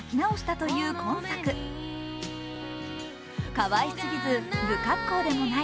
かわいすぎず、不格好でもない、